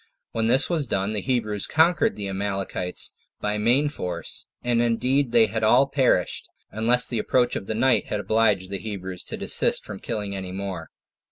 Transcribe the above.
When this was done, the Hebrews conquered the Amalekites by main force; and indeed they had all perished, unless the approach of the night had obliged the Hebrews to desist from killing any more.